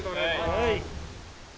はい。